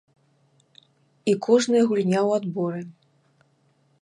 І кожная гульня ў адборы.